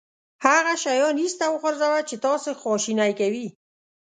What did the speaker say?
هغه شیان ایسته وغورځوه چې تاسو خواشینی کوي.